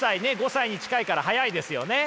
５歳に近いから早いですよね。